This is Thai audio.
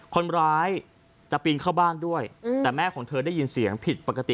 คนร้ายจะปีนเข้าบ้านด้วยแต่แม่ของเธอได้ยินเสียงผิดปกติ